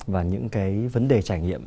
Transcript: và những cái vấn đề trải nghiệm